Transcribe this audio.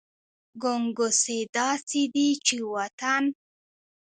ګنګوسې داسې دي چې وطن …